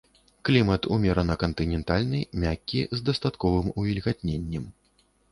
Клімат умерана-кантынентальны, мяккі з дастатковым увільгатненнем.